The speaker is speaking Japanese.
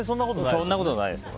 そんなことないですよ。